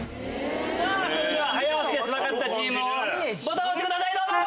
さぁそれでは早押しです分かったチームボタン押してくださいどうぞ！